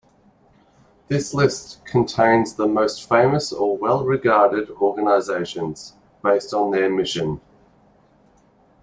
This list contains the most famous or well-regarded organizations, based on their mission.